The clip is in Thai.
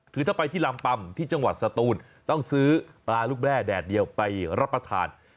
คือถ้าไปที่ลำปัมที่จังหวัดสตูนต้องซื้อปลาลูกแร่แดดเดียวไปรับประทาน